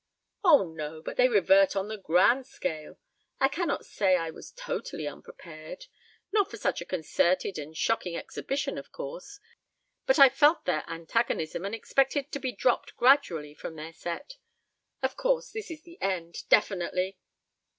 "Oh, no, but they revert on the grand scale. ... I cannot say I was totally unprepared not for such a concerted and shocking exhibition, of course; but I've felt their antagonism and expected to be dropped gradually from their set. Of course, this is the end, definitely.